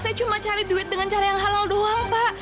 saya cuma cari duit dengan cara yang halal doang mbak